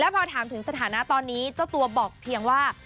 พอถามถึงสถานะตอนนี้เจ้าตัวบอกเพียงว่า